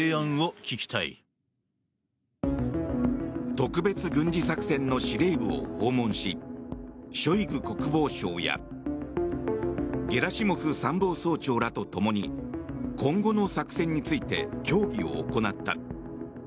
特別軍事作戦の司令部を訪問しショイグ国防相やゲラシモフ参謀総長らと共に今後の作戦について協議を行った。